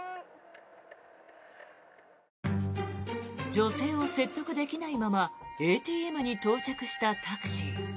女性を説得できないままＡＴＭに到着したタクシー。